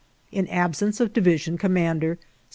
" In absence of division commander.